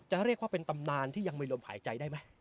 เรียกว่าเป็นตำนานที่ยังมีลมหายใจได้ไหม